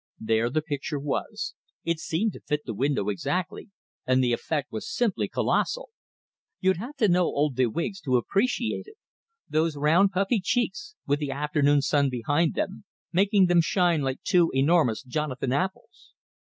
There the picture was; it seemed to fit the window exactly, and the effect was simply colossal. You'd have to know old de Wiggs to appreciate it those round, puffy cheeks, with the afternoon sun behind them, making them shine like two enormous Jonathan apples!